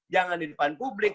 jangan di depan publik